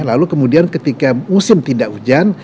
lalu kemudian ketika musim tidak hujan